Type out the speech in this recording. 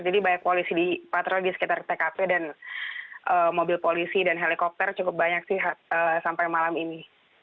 jadi banyak polisi di patroli di sekitar tkp dan mobil polisi dan helikopter cukup banyak sih sampai malam ini